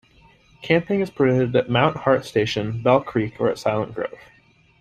Camping is permitted at Mount Hart Station, Bell Creek or at Silent Grove.